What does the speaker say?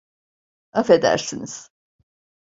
Afedersiniz?